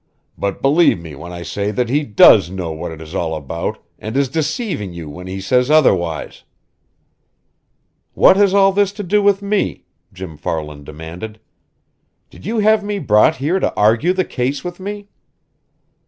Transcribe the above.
But believe me when I say that he does know what it is all about, and is deceiving you when he says otherwise." "What has all this to do with me?" Jim Farland demanded. "Did you have me brought here to argue the case with me?"